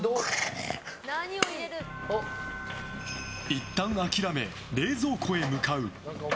いったん諦め冷蔵庫へ向かう。